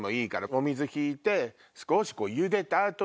お水引いて少しゆでた後に。